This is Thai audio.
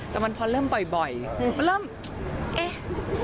แต่มันพอเริ่มบ่อยมันเริ่มเอ๊ะ